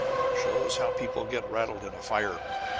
Shows how people get rattled in a fire.